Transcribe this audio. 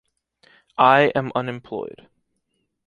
I am unemployed.